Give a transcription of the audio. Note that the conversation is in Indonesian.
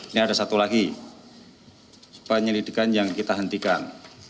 ini ada satu lagi penyelidikan yang kita hentikan